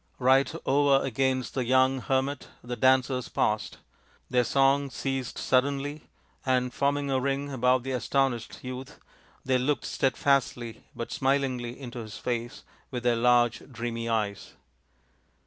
Right over against the young hermit the dancers paused. Their song ceased suddenly, and, forming a ring about the astonished youth, they looked stead fastly but smilingly into his face with their large, dreamy eyes.